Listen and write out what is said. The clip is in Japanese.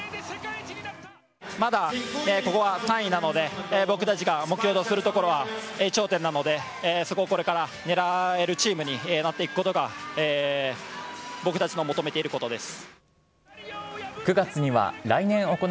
まだここは３位なので、僕たちが目標とするところは頂点なので、そこをこれから狙えるチームになっていくことが僕たちの求めていることです。